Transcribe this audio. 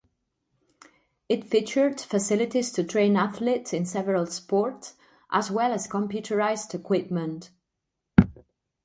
It featured facilities to train athletes in several sports as well as computerized equipment.